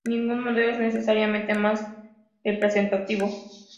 Ningún modelo es necesariamente "más representativo".